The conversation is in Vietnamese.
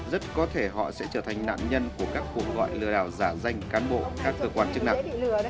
rất có thể họ sẽ trở thành nạn nhân của các cuộc gọi lừa đảo giả danh cán bộ các cơ quan chức năng